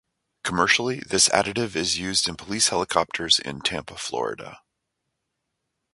Commercially, this additive is used in police helicopters in Tampa, Florida.